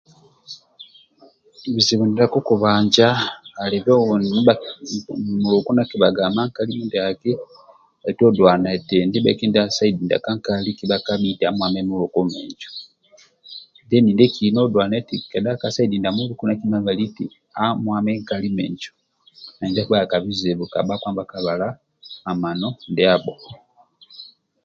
Bizibu ndia kokubanja alibe uwe mindia uwe muluku ndia akibalaga ama nkali minaki bhaitu odula ndibha ka saidi ndia ka nkali bhakabali amwame muluku minjo deni ndia ka saidi bhakabali amwame nkali minjo